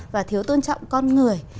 và thiếu tôn trọng con người